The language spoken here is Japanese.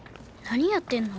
なにやってんの？